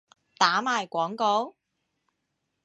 打埋廣告？